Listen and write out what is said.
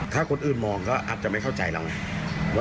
ถ้าคนอื่นมองก็อาจจะไม่เข้าใจเราไง